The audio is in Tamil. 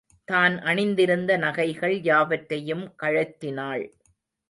தான் அணிந்திருந்த நகைகள் யாவற்றையும் கழற்றினாள்.